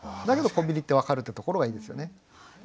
だけどコンビニって分かるってところがいいですよね。